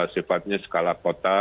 sifatnya skala kota